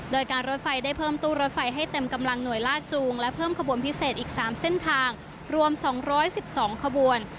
โดยการรถไฟได้เพิ่มตู้รถไฟให้เต็มกำลังหน่วยลากจูงและเพิ่มขบวนพิเศษอีก๓เส้นทางรวม๒๑๒ขบวน